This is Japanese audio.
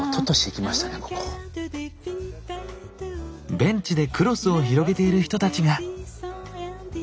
ベンチでクロスを広げている人たちが。